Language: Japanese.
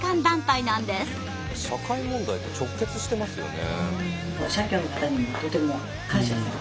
社会問題と直結してますよね。